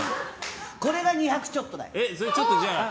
これが２００ちょっとだよ。